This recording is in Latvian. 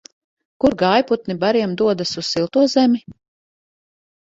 Kur gājputni bariem dodas un silto zemi?